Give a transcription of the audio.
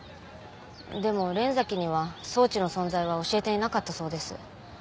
でも連崎には装置の存在は教えていなかったそうです。